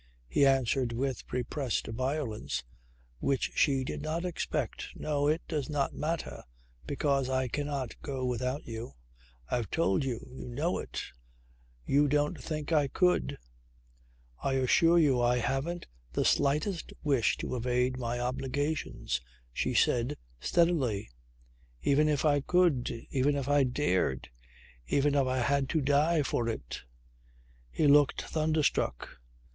He answered with repressed violence which she did not expect: "No, it does not matter, because I cannot go without you. I've told you ... You know it. You don't think I could." "I assure you I haven't the slightest wish to evade my obligations," she said steadily. "Even if I could. Even if I dared, even if I had to die for it!" He looked thunderstruck.